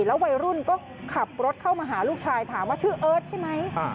วัยรุ่นก็ขับรถเข้ามาหาลูกชายถามว่าชื่อเอิร์ทใช่ไหม